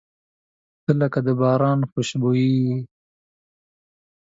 • ته لکه د باران خوشبويي یې.